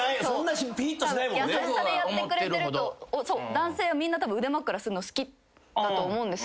男性はみんなたぶん腕まくらするの好きだと思うんですけど。